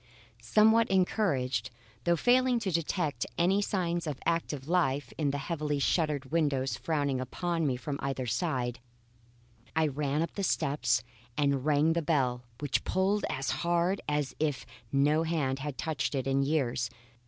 Somewhat encouraged, though failing to detect any signs of active life in the heavily shuttered windows frowning upon me from either side, I ran up the steps and rang the bell which pulled as hard as if no hand had touched it in years.